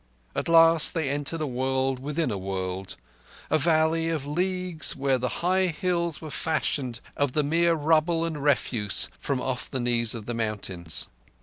At last they entered a world within a world—a valley of leagues where the high hills were fashioned of a mere rubble and refuse from off the knees of the mountains.